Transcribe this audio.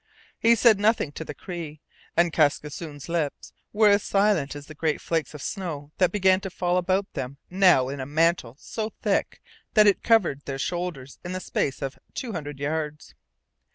He said nothing to the Cree. And Kaskisoon's lips were as silent as the great flakes of snow that began to fall about them now in a mantle so thick that it covered their shoulders in the space of two hundred yards.